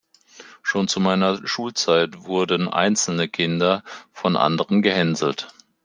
Schon zu meiner Schulzeit wurden einzelne Kinder von anderen gehänselt.